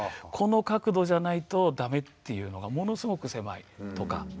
この角度じゃないと駄目っていうのがものすごく狭いとか。